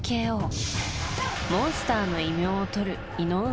モンスターの異名をとる井上